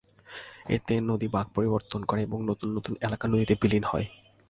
এতে নদী বাঁক পরিবর্তন করে এবং নতুন নতুন এলাকা নদীতে বিলীন হয়।